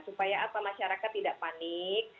supaya apa masyarakat tidak panik